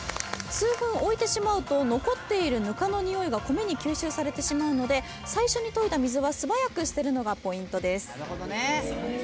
数分置いてしまうと残っているぬかのにおいが米に吸収されてしまうので最初にといだ水は素早く捨てるのがポイントです。